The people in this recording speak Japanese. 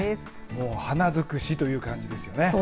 もう花づくしという感じですね。